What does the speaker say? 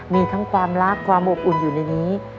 มีทั้งความรักความอบอุ่นอยู่ในนี้